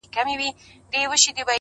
چي پر ستوني به یې زور وکړ یو نوکی،